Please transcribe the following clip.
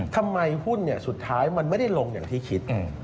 ทำไมหุ้นสุดท้ายมันไม่ได้ลงอย่างที่คิด